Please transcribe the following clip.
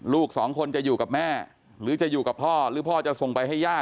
ลูกสองคนจะอยู่กับแม่หรือจะอยู่กับพ่อหรือพ่อจะส่งไปให้ย่า